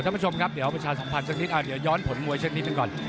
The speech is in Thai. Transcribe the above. ท่านผู้ชมครับเดี๋ยวประชาสัมพันธ์สักนิดเดี๋ยวย้อนผลมวยเช่นนี้ซะก่อน